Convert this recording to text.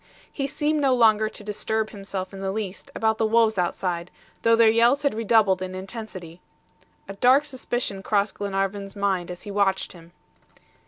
He seemed no longer to disturb himself in the least about the wolves outside, though their yells had redoubled in intensity. A dark suspicion crossed Glenarvan's mind as he watched him.